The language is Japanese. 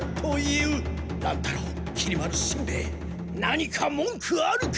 乱太郎きり丸しんべヱ何かもんくあるか！